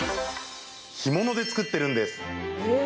干物で作ってるんです！